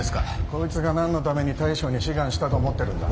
こいつが何のために大将に志願したと思ってるんだ。